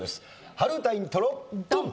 春うたイントロドン！